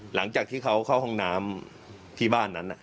หลังจากที่เขาเข้าห้องน้ำที่บ้านนั้น